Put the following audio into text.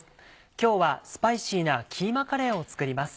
今日はスパイシーな「キーマカレー」を作ります。